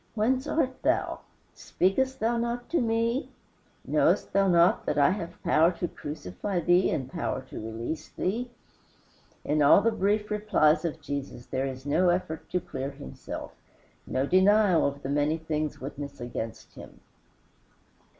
"Whence art thou? Speakest thou not to me? Knowest thou not that I have power to crucify thee and power to release thee?" In all the brief replies of Jesus there is no effort to clear himself, no denial of the many things witnessed against him.